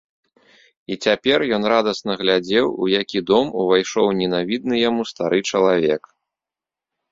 І цяпер ён радасна глядзеў, у які дом увайшоў ненавідны яму стары чалавек.